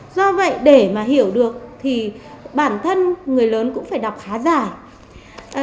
do vậy để mà hiểu được thì bản thân người lớn cũng phải đọc khá giả